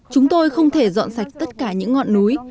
chúng tôi không thể dọn sạch tất cả những ngọn núi